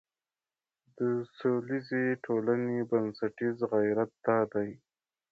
د سولیزې ټولنې بنسټیز غیرت دا دی.